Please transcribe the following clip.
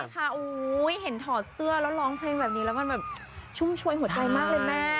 เห็นถอดเสื้อแล้วร้องเพลงแบบนี้แล้วมันแบบชุ่มชวยหัวใจมากเลยแม่